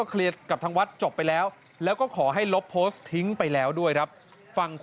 มีความห่วงเรื่องอะไรไหมครับท่อ